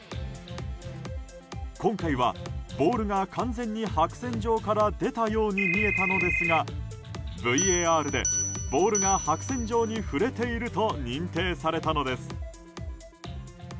今回はボールが完全に白線上から出たように見えたのですがＶＡＲで、ボールが白線上に触れていると認定されたのです。